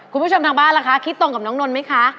คุณผู้ชมทางบ้านล่ะคะคิดตรงกับน้องนนท์ไหมคะ